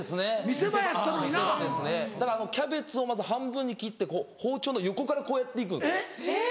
見せ場ですねだからキャベツをまず半分に切って包丁の横からこうやって行くんです。